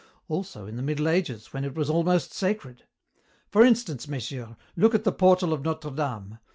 Also in the Middle Ages, when it was almost sacred. For instance, messieurs, look at the portal of Notre Dame.